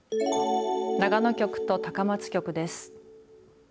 長野局と高松局です。